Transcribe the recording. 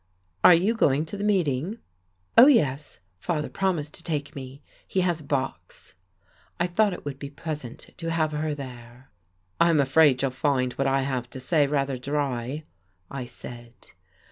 "Are you going to the meeting?" "Oh, yes. Father promised to take me. He has a box." I thought it would be pleasant to have her there. "I'm afraid you'll find what I have to say rather dry," I said.